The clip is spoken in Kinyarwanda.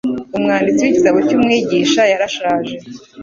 Umwanditsi w'igitabo cy’Umwigisha yarashaje